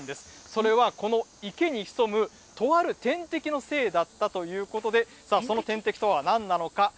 それはこの池に潜むとある天敵のせいだったということで、さあ、その天敵となんなのか。